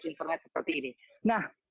internet seperti ini nah